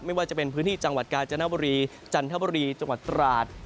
ไม่ว่าจะเป็นพื้นที่จังหวัดกาญจนบุรีจันทบุรีจังหวัดตราด